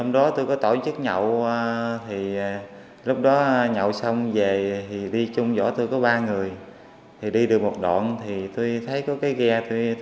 đụng vô cái ngũi kia